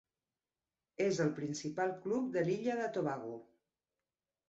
És el principal club de l'illa de Tobago.